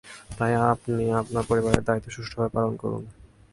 তাই আপনি আমার পরিবারের দায়িত্ব সুষ্ঠুভাবে পালন করুন!